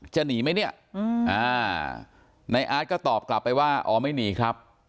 จะหนีไหมเนี่ยในอาร์ตก็ตอบกลับไปว่าอ๋อไม่หนีครับ